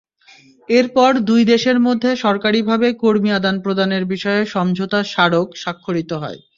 এরপর দুই দেশের মধ্যে সরকারিভাবে কর্মী আদান-প্রদানের বিষয়ে সমঝোতা স্মারক স্বাক্ষরিত হয়।